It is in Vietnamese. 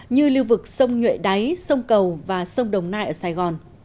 như lưu vực sông nhuệ đáy sông cầu và sông đồng nai ở sài gòn